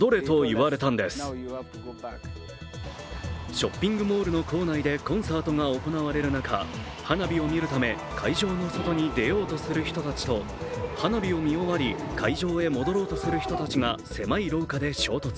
ショッピングモールの構内でコンサートが行われる中、花火を見るため会場の外に出ようとする人たちと花火を見終わり、会場へ戻ろうとする人たちが狭い廊下で衝突。